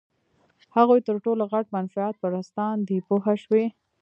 هغوی تر ټولو غټ منفعت پرستان دي پوه شوې!.